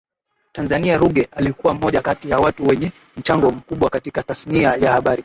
Tanzania Ruge alikua moja kati ya watu wenye mchango mkubwa katika tasnia ya habari